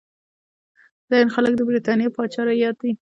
د هند خلک د برټانیې پاچا رعیت دي.